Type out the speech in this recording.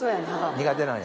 苦手なんや。